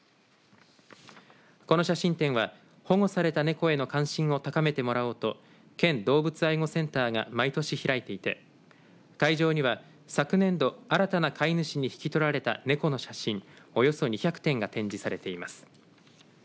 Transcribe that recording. この写真展は保護された猫への関心を高めてもらおうと県動物愛護センターが毎年、開いていて会場には昨年度新たな飼い主に引き取られた猫の写真およそ２００点が展示されています。